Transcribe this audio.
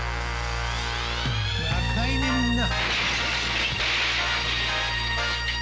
若いねみんな。